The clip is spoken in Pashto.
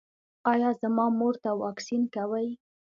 ایا زما مور ته واکسین کوئ؟